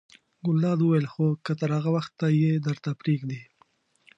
ګلداد وویل: خو که تر هغه وخته یې درته پرېږدي.